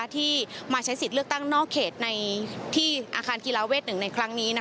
ที่มาใช้สิทธิ์เลือกตั้งนอกเขตที่อาคารกีฬาเวท๑ในครั้งนี้